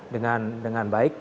dengan dengan baik